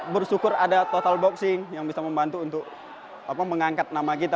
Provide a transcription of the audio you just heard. bersyukur ada total boxing yang bisa membantu untuk mengangkat nama kita